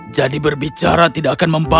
jadi berbicara tidak akan membalas